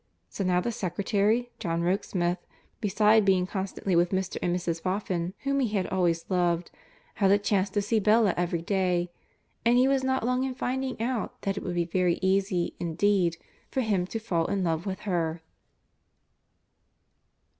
So now the secretary, John Rokesmith, beside being constantly with Mr. and Mrs. Boffin, whom he had always loved, had a chance to see Bella every day, and he was not long in finding out that it would be very easy, indeed, for him to fall in love with her.